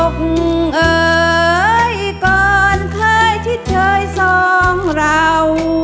อบเอ่ยก่อนเคยที่เธอยสองเรา